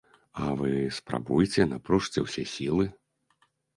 А вы спрабуйце, напружце ўсе сілы.